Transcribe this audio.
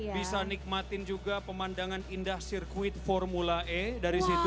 bisa nikmatin juga pemandangan indah sirkuit formula e dari situ